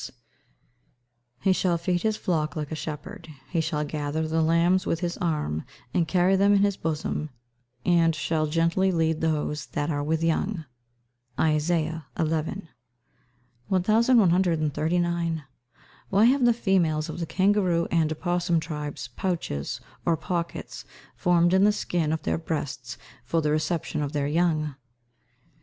[Verse: "He shall feed his flock like a shepherd; he shall gather the lambs with his arm, and carry them in his bosom, and shall gently lead those that are with young." ISAIAH XL.] 1139. _Why have the females of the kangaroo and opossum tribes pouches, or pockets, formed in the skin of their breasts for the reception of their young?